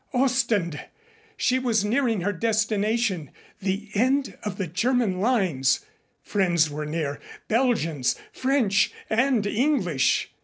Ostend! She was nearing her destination the end of the German lines. Friends were near Belgians, French, and English.